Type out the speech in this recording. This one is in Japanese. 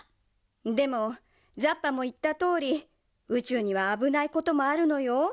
でもザッパもいったとおりうちゅうにはあぶないこともあるのよ。